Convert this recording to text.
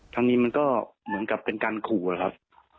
ทางนี้มันก็เหมือนกับเป็นการขู่อะครับ